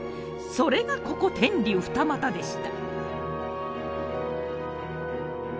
それがここ天竜二俣でした。